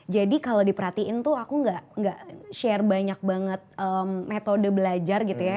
jadi kalo diperhatiin tuh aku nggak share banyak banget metode belajar gitu ya